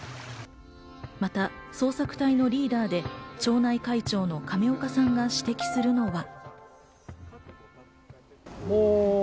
また捜索隊のリーダーで町内会長の亀岡さんが指摘するのは。